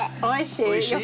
おいしい？